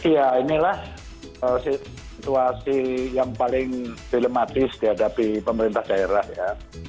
ya inilah situasi yang paling dilematis dihadapi pemerintah daerah ya